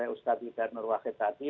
ustaz dan nurwakil tadi